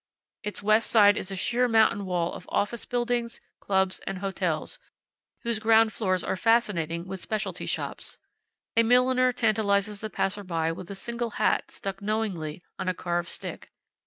It's west side is a sheer mountain wall of office buildings, clubs, and hotels, whose ground floors are fascinating with specialty shops. A milliner tantalizes the passer by with a single hat stuck knowingly on a carved stick.